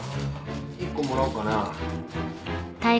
１個もらおうかな。